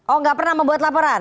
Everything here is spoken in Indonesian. oh nggak pernah membuat laporan